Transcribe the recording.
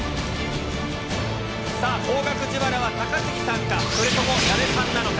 さあ、高額自腹は高杉さんか、それとも矢部さんなのか。